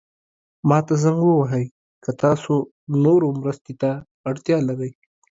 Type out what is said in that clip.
ما ته زنګ ووهئ که تاسو نورو مرستې ته اړتیا لرئ.